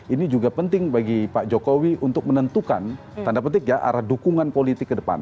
ini juga penting bagi pak jokowi untuk menentukan tanda petik ya arah dukungan politik ke depan